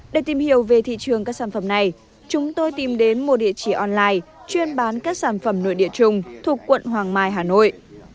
để tìm hiểu về thị trường các sản phẩm này chúng tôi tìm đến một địa chỉ online chuyên bán các sản phẩm nội địa chung thuộc quận hoàng mai hà nội